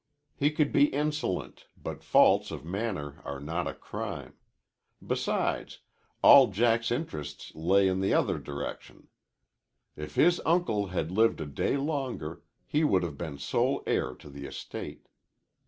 He could be insolent, but faults of manner are not a crime. Besides, all Jack's interests lay in the other direction. If his uncle had lived a day longer, he would have been sole heir to the estate.